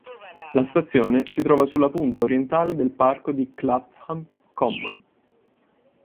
La stazione si trova sulla punta orientale del parco di Clapham Common.